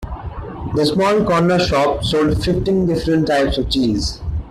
The small corner shop sold fifteen different types of cheese